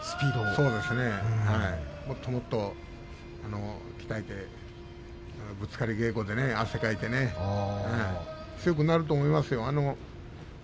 それよりは、さらにもっともっと鍛えてぶつかり稽古で汗をかいて強くなると思いますよ。